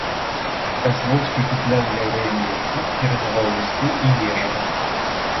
Казлоўскі купляў яўрэям лекі, перадаваў лісты і ежу.